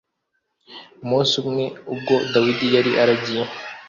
Umunsi umwe ubwo dawidi yari aragiye